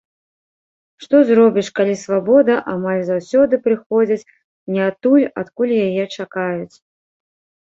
Што зробіш, калі свабода амаль заўсёды прыходзіць не адтуль, адкуль яе чакаюць.